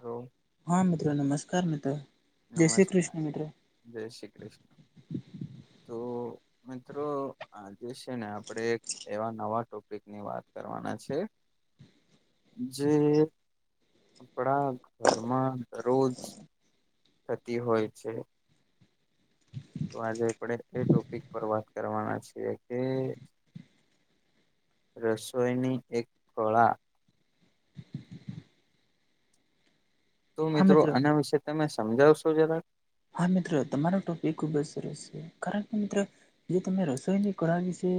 રોમ હા મિત્રો નમસ્કાર મિત્રો. નમસ્કાર જય શ્રી કૃષ્ણ. તો મિત્રો આજે છે ને આપડે એવા નવા ટોપિક ની વાત કરવાના છે. જે આપડા ઘરમાં દરરોજ થતી હોય છે. તો આજે આપડે એ ટોપિક પર વાત કરવાના છીએ કે રસોઈની એક કળા તો હા મિત્રો મિત્ર આના વિશે તમે સમજાવશો જરા. હા મિત્રો તમારો ટોપિક ખુબ જ સરસ છે કારણ કે મિત્ર જે તમે રસોઈની કળા વિશે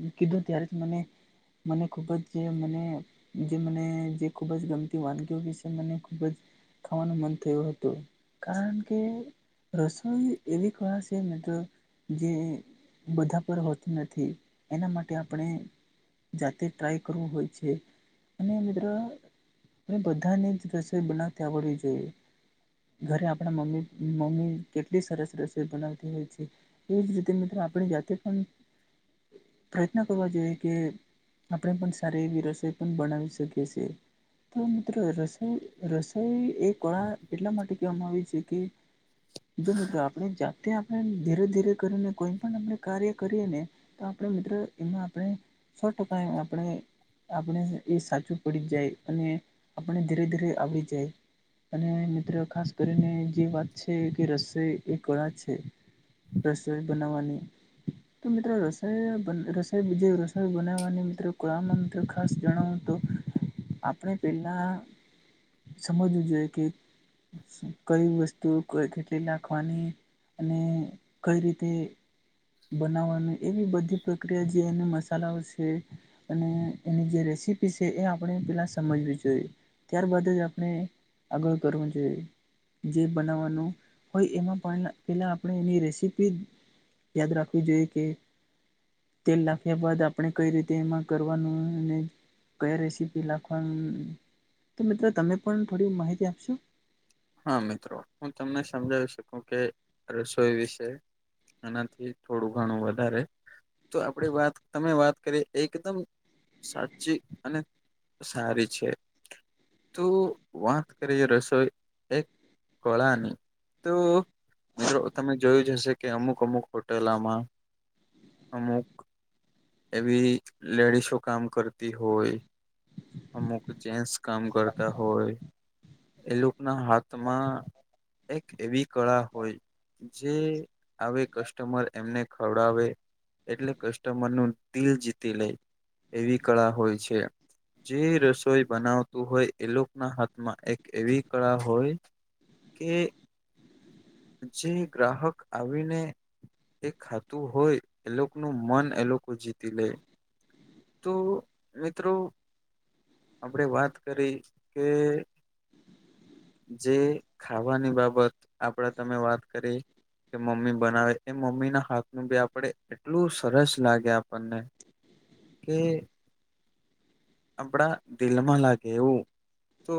છે કીધું ત્યારે તો મને મને ખૂબ જ મને જે મને જે ખૂબ જ ગમતી વાનગીઓ વિશે મને ખૂબ જ ખાવાનું મન થયું હતું કારન કે રસોઈ એવી કળા છે, મિત્રો જે બધા પર હોતી નથી એના માટે આપણે જાતે જ ટ્રાય કરવું હોય છે, અને મિત્ર બધાની જ રસોઈ બનાવતા આવડવી જોઈએ ઘરે આપણા મમ્મી મમ્મી કેટલી સરસ રસોઈ બનાવતી હોય છે. એ જ રીતે મિત્રો આપડે જાતે પન પ્રયત્ન કરવા જોઈએ કે આપણે પન સારી એવી રસોઈ પન બનાવી શકીએ છીએ. તો મિત્રો રસો રસોઈ એક કળા એટલા માટે કહેવામાં આવી છે, કે જો મિત્રો આપણે જાતે આપણે ધીરે ધીરે કરીને કોઈ પણ આપણે કાર્ય કરીએ ને તો આપણે મિત્ર એના આપણે છ ટકાય આપણે આપણે એ સાચું પડી જાય અને આપણે ધીરે ધીરે આવડી જાય અને મિત્ર ખાસ કરીને જે વાત છે, કે રસોઈ એ કળા છે. રસોય બનાવાની તો મિત્રો રસો રસોઈ જે રસોઈ બનાવવાની મિત્રો કળમાં મ ખાસ જણાવું તો આપણે પેલા સમજવું જોઈએ કે કઈ વસ્ત સ્તુ ક કેટલી લખવાની અને કઈ રીતે બનાવવાનું એવી બધી પ્રક્રિયા જે એને મસાલાઓ છે. અને એની જે રેસીપી છે, એ આપણે પેલા સમજવી જોઈએ. ત્યારબદ જ આપણે આગળ કરવું જોઇએ જે બનાવવાનું હોય એમાં પણ પેલા આપણે એની રેસીપી યાદ રાખવી જોઈએ કે તેલ લખ્યા બાદ આપણે કઈ રીતે એમાં કરવાનું ને કયા રેસીપી લખવાનું તો મિત્રો તમે પણ થોડી માહિતી આપશો હા મિત્રો હું તમને સમજાવી શકું કે રસોઈ વિશે એનાથી થોડું ઘણું વધારે તો આપણે વાત તમે વાત કરીએ એકદમ સાચી અને સારી છે. તો વાત કરીએ રસોઈ એક કોળાની તો મિત્રો તમે જોયું જ હશે કે અમુક અમુક હોટેલમાં અમુક એવી લેડીસો કામ કરતી હોય. અમુક જે્સ કામ કરતા હોય એ લોકો ના હાથમાં એક એવી કળા હોય જે આવી કસ્ટમર એમને ખવડાવે એટલે કસ્ટમર નું દિલ જીતી લે એવી કળા હોય છે. જે રસોઈ બનાવતું હોય એ લોકોના હાથમાં એક એવી કળા હોય કે જે ગ્રાહક આવીને એ ખાતું હોય એ લોકો ન મન એ લોકો જીતી લે તો મિત્રો આપણેે વાત કરી કે જે ખાવાની બાબત આપડા તમે વાત કરી કે મમ્મી બનાવે એ મમ્મી ના હાથ નું બી આપણે એટલું સરસ લાગે આપણને કે આપણા દિલમાં લાગે એવું તો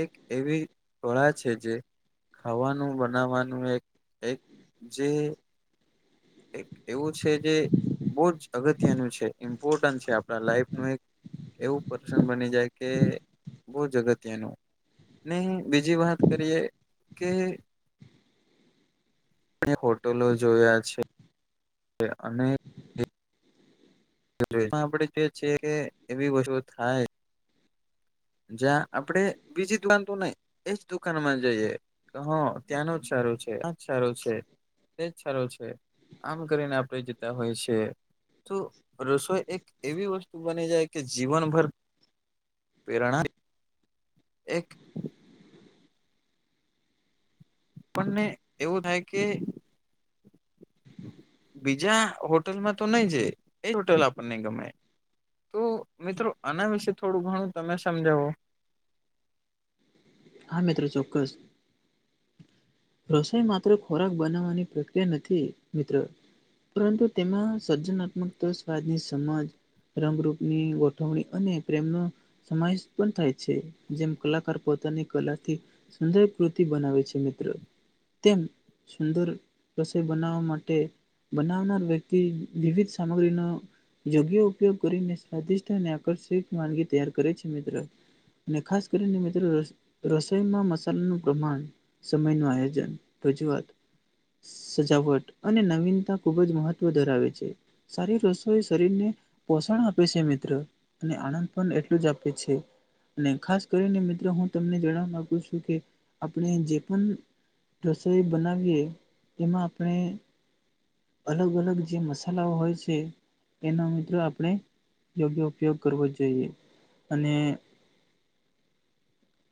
એક એવી કળા છે, જે ખાવાનું બનાવવાનું એક એક જે એક એવું છે જે બહુ જ અગત્યનું છે, ઇમ્પોર્ટન્ટ છે, આપણા લાઈફનું એક એવું પર્સન બની જાય કે બૌ જગત્યનું ને બીજી વાત કરીએ કે મેં હોટલો જોયા છે. અને માં આપડે જે છીએ કે એવી વસ્તુઓ થાય જ્યાં આપડે બીજી દુકાન તો નઈ એજ દુકાન માં જઈએ હ ત્યાંનો જ સારું છે આજ સારું છે. તેજ સારો છે આમ કરીને આપણે જતા હોય છે તો રસોઈ એક એવી વસ્તુ બની જાય કે જીવનભર પેરણા એક આપણ ને એવું થાય કે બીજા હોટલમાં તો નઈ જઈએ એ હોટલ આપણને ગમે તો મિત્રો આના વિશે થોડું ઘણું તમે સમજાવો હા મિત્રો ચોક્કસ રસોઈ માત્ર ખોરાક બનાવવાની પ્રક્રિયા નથી મિત્ર પરંતુ તેમાં સર્જનાત્મક સ્વાદની સમજ રંગરૂપની ગોઠવણી અને પ્રેમનો સમાવેશ પણ થાય છે જેમ કલાકાર પોતાની કલાથી સંજય કૃતિ બનાવે છે મિત્ર તેમ સુંદર રસોઈ બનાવવા માટે બનાવનાર વ્યક્તિ વિવિધ સામગ્રીનો યોગ્ય ઉપયોગ કરીને સ્વાદિષ્ટ અને આકર્ષક વાનગી તૈયાર કરે છે મિત્રો ને ખાસ કરીને મિત્રો રસોઈમાં મસાલાનું પ્રમાણ સમયનું આયો જન પછી વાત સજાવટ અને નવીનતા ખૂબ જ મહત્વ ધરાવે છે સારી રસોઈ શરીરને પોષણ આપે છે મિત્ર અને આનંદ પણ એટલું જ આપે છે. અને ખાસ કરીને મિત્રો હું તમને જણાવવા માંગુ છું કે આપણે જે પણ રસોઈ બનાવીએ તેમાં આપણે અલગ અલગ જે મસાલાઓ હોય છે એનો મિત્રો આપણે યોગ્ય ઉપયોગ કરવો જોઈએ અને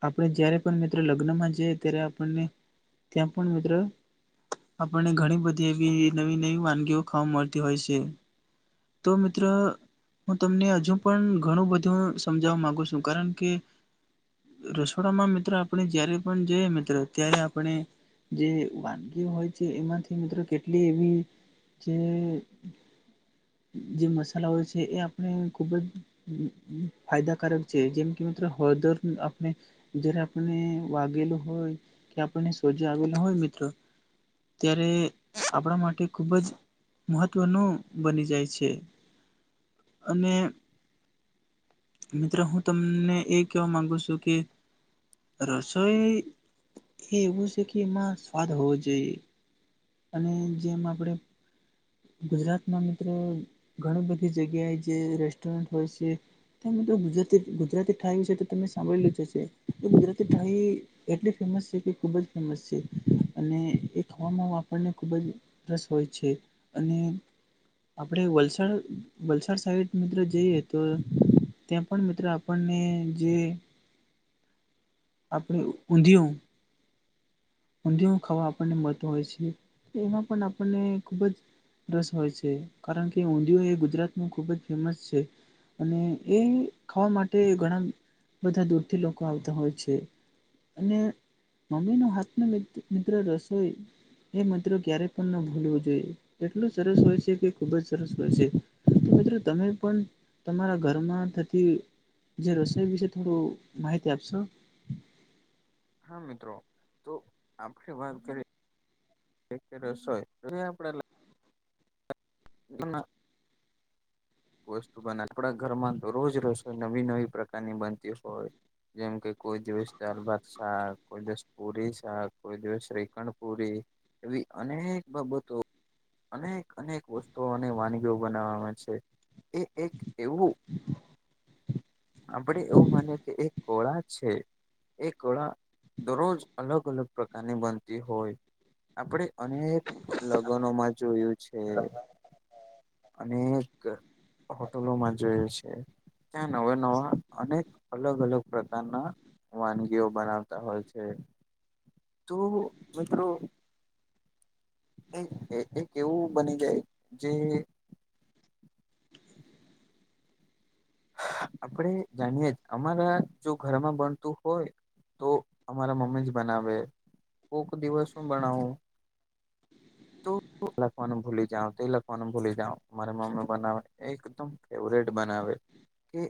આપણે જય્યારે પણ મિત્રો લગ્નમાં જઈ ત્યારે આપણને ત્યાં પણ મિત્ર આપણને ઘણી બધી એવી નવી નવી વાનગીઓ ખાવા મળતી હોય છે. તો મિત્ર હું તમને હજુ પણ ઘણું બધું સમજાવવા માગુ છું કારણ કે રસોડામાં મિત્ર આપણે જયારે પણ જઈએને ત્યારે આપણે જે વાનગી હોય છે એમાંથી મિત્રો કેટલી એવી જે જે મસાલા હોય છે એ આપણે ખુબ જ ફાયદાકારક છે જેમ કે મિત્ર હળદર ને જયારે આપને વાગેલું હોય કે આપણને સોજો આવેલો હોય મિત્રો ત્યારે આપણા માટે ખૂબ જ મહત્વનું બની જાય છે અને મિત્રો હું તમને એ કહેવા માંગુ છું કે રસોઈ એ એવું છે કે એમાં સ્વાદ હોવો જોઈએ અને જેમ આપણે ગુજરાતમાં મિત્રો ઘણી બધી જગ્યાએ જે રેસ્ટોરન્ટ હોય છે તે મિત્રો ગુજરાતી ગુજરાતી ઠાઈ વિશે તો તમે સાંભળેલું જશે તો ગુજરાતી ઠાઈ એટલી ફેમસ છે કે ખૂબ જ ફેમસ છે અને એ ખવામાને ખુબ જ રસ હોય છે અને આપડ વલસાડ વલસાડ સાઈડ મિત્રો જઈએ તો ત્યાં પણ મિત્રો આપણને જે આપણે ઊંધિયુ ઊંધિયુ ખાવા આપણને મળતું હોય છે એમાં પણ આપણને ખૂબ જ રસ હોય છે કારણ કે ઊંધિયું એ ગુજરાતમાં ખુબ જ ફેમસ છે અને એ ખાવા માટે ઘણા બધા દૂરથી લોકો આવતા હોય છે અને મમ્મી ન હાથ રિરન મિત્ર રસોઈ એ મત્રોક્યારે પણ ન ભૂલવું જોઈએ એટલું સરસ હોય છે કે ખૂબ જ સરસ હોય છે મિત્ર. તું તમે પણ તમારા ઘરમાં થતી જે રસ એ વિશે થોડું માહિતી આપશો હા મિત્રો તો આપણે વાત કરી તે રસોય તો આપડા ના ના વસ્તુ બનાવી આપડા ઘરમાં તો રોજ રસોઈ નવી નવી પ્રકારની બનતી હોય જેમ કે કોઈ દિવસ દાલ ભાત શાક કોઈ દિવસ પુરી શાક કોઈ દિવસ શ્રીખંડ પુરી એવી અનેક બાબતો અનેક અનેક વસ્તુઓ અને વાનગીઓ બનાવામાં છે એ એક એવું આપડે એવું માનીએ કે એક ખોરાક છે એ કળા દરરોજ અલગ અલગ પ્રકારની બનતી હોય આપડે અનેક લગનોમા જોયે છે અનેક હોટલોમાં જોયે છે ત્યાં નવા નવા અનેક અલગ અલગ પ્રકારના વાનગીઓ બનાવતા હોય છે તો મિત્રો એક એવું બની જાય જેને આપડે જાણીય જ અમારા જો ઘરમાં બનતું હોય તો અમારા મમ્મી જ બનાવે કોક દિવસ હું બનાવું લાખવાનું ભૂલી જાઉ તે લાખવાનું ભૂલી જાઉ મારે મમ્મી બનાવે એકદમ ફેવરેટ બનાવે કે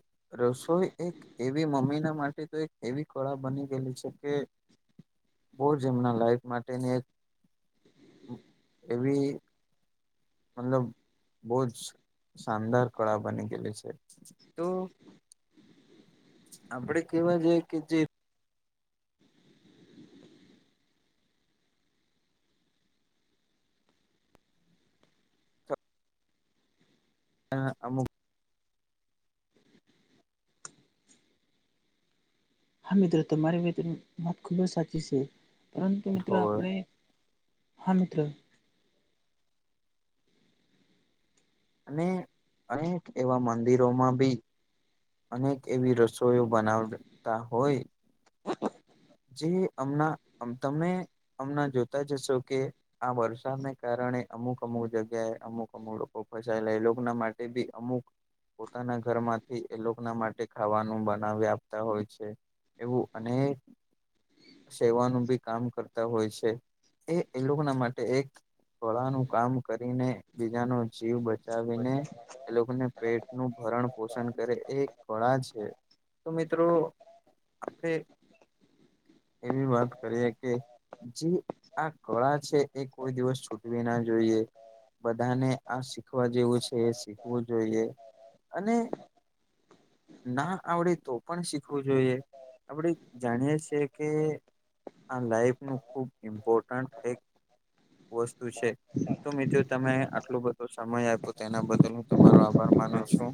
રસોઈ એક એવી મમ્મીના માટે તો એક એવી કળા બની ગયેલી છે કે બો જ એમના લાઈફ માટેની એક એવી મતલબ બહુ જ શાનદાર કળા બની ગેલી છે તો આપડે કેવા જઈએ કે જે આ અમુક હા મિત્ર તમારી વાત ખૂબ જ સાચી છે પરંતુ મિત્ર હોય આપણે હા મિત્ર અને અનેક એવા મંદિરોમાં બી અનેક એવી રસોઈ બનાવતા હોય જે અમણા તમે અમણા જોતા જ હશો કે આ વરસાદને કારણે અમુક અમુક જગ્યાએ અમુક અમુક લોકો ફસાયેલા એ લોકોના માટે બી અમુક પોતાના ઘરમાંથી એ લોકો ના માટે ખાવાનું બનાવી આપતા હોય છે એવું અનેક સેવાનું બી કામ કરતા હોય છે એ એ લોકોના માટે એક કળાનું કામ કરીને બીજાનો જીવ બચાવીને એ લોકોને પેટનું ભરણ પોષણ કરે એ એક કળા છે તો મિત્રો આપડે એવી વાત કરીએ કે જે આ કળા છે એ કોઈ દિવસ છૂટવી ના જોઈએ બધાને આ શીખવા જેવું છે એ શીખવું જોઈએ અને ના આવડે તો પણ શીખવું જોઈએ આપડે જાણીએ છે કે આ લાઈફનું ખૂબ ઇમ્પોર્ટન્ટ એક વસ્તુ છે તો મિત્રો તમે આટલો બધો સમય આયપો તેના બદલ હું તમારો આભાર માનું છું